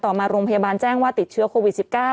มาโรงพยาบาลแจ้งว่าติดเชื้อโควิด๑๙